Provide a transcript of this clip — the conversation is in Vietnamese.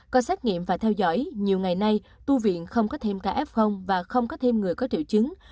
qua xét nghiệm và theo dõi nhiều ngày nay tu viện không có thêm ca f và không có thêm người có triệu chứng